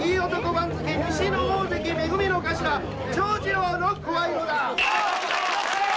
番付西の大関・め組の頭長次郎の声色だ！